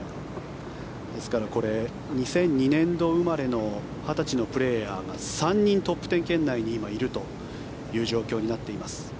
ですから２００２年度生まれの２０歳のプレーヤーが３人トップ１０圏内にいるという状況になっています。